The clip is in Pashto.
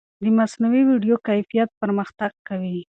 د مصنوعي ویډیو کیفیت پرمختګ کوي.